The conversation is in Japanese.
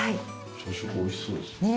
朝食美味しそうですね。